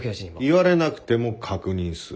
言われなくても確認する。